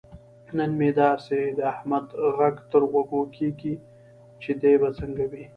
نن مې داسې د احمد غږ تر غوږو کېږي. چې دی به څنګه وي.